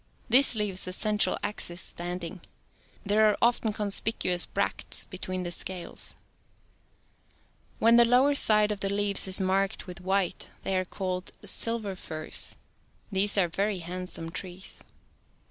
This leaves the central axis standing. There are often conspicuous bracts between the scales When the lower side of the leaves is marked with white, they are call ed silver firs. These are very handsome trees.